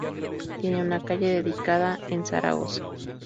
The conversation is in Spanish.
Tiene una calle dedicada en Zaragoza.